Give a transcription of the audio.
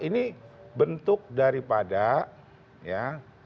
ini bentuk daripada ya